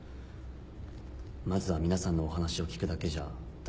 まずは皆さんのお話を聞くだけじゃ駄目ですか？